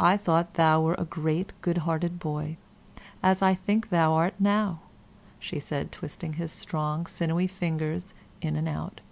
"I thought thou wert a great, good hearted boy, as I think thou art now," said she, twisting his strong, sinewy fingers in and out.